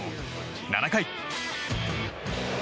７回。